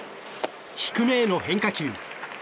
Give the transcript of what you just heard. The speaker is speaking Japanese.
低めへの変化球。